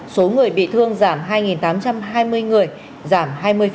số người bị thương giảm hai tám trăm hai mươi người giảm hai mươi